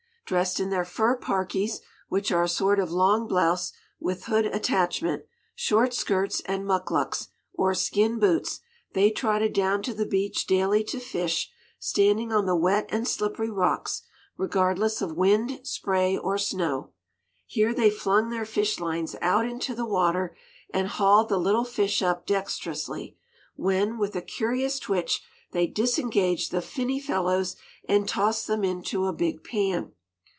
Dressed in their fur parkies, which are a sort of long blouse with hood attachment, short skirts and muckluks, or skin boots, they trotted down to the beach daily to fish, standing on the wet and slippery rocks, regardless of wind, spray or snow. Here they flung their fish lines out into the water and hauled the little fish up dexterously; when, with a curious twitch they disengaged the finny fellows and tossed them into a big pan.